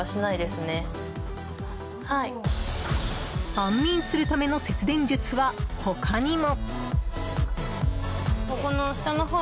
安眠するための節電術は他にも。